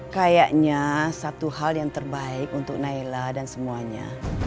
kayaknya satu hal yang terbaik untuk naila dan semuanya